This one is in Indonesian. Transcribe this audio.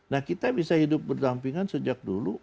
nah kita bisa hidup berdampingan sejak dulu